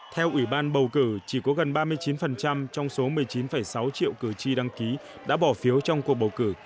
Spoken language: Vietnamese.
theo ủy ban bầu cử chỉ có gần ba mươi chín trong số một mươi chín sáu triệu cử tri đăng ký đã bỏ phiếu trong cuộc bầu cử